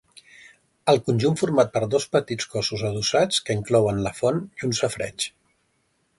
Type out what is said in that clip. El conjunt format per dos petits cossos adossats que inclouen la font i un safareig.